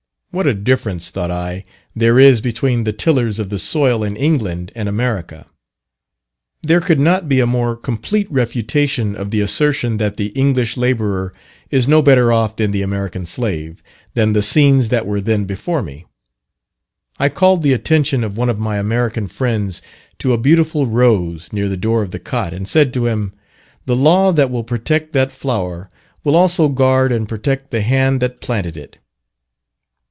What a difference, thought I, there is between the tillers of the soil in England and America. There could not be a more complete refutation of the assertion that the English labourer is no better off than the American slave, than the scenes that were then before me. I called the attention of one of my American friends to a beautiful rose near the door of the cot, and said to him, "The law that will protect that flower will also guard and protect the hand that planted it."